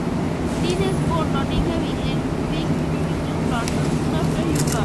Dean was born Nottingham, England, moving to Tooting, London, soon after his birth.